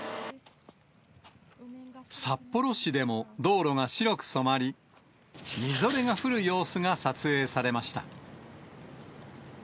札幌市でも、道路が白く染まり、みぞれが降る様子が撮影されました。